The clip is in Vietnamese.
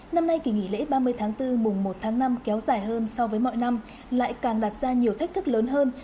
năm nay kỳ nghỉ lễ ba mươi tháng bốn mùng một tháng năm kéo dài hơn so với mọi năm lại càng đặt ra nhiều thách thức lớn hơn